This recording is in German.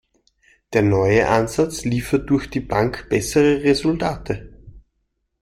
Der neue Ansatz liefert durch die Bank bessere Resultate.